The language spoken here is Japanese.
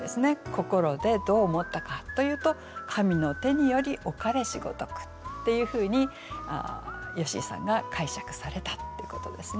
「心」でどう思ったかというと「神の手により置かれしごとく」っていうふうに好井さんが解釈されたっていうことですね。